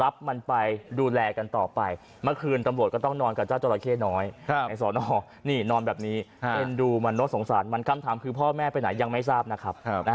พ่อแม่ไปไหนยังไม่ทราบนะครับ